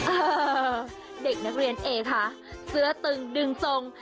เออเด็กนักเรียนเอคะเสื้อตึงดึงทรง